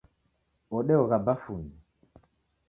Odeogha bafunyi.